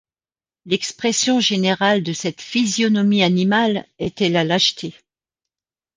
L’expression générale de cette physionomie animale était la lâcheté.